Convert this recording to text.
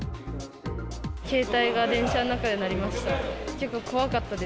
携帯が電車の中で鳴りました。